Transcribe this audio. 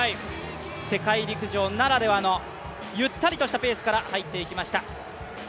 世界陸上ならではのゆったりしたペースから入っていきました。